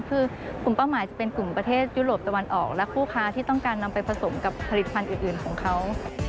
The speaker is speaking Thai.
คือกลุ่มเป้าหมายจะเป็นกลุ่มประเทศยุโรปตะวันออกและผู้ค้าที่ต้องการนำไปผสมกับผลิตภัณฑ์อื่นของเขา